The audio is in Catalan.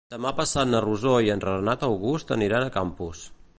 Demà passat na Rosó i en Renat August aniran a Campos.